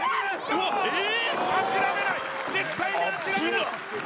諦めない、絶対に諦めない！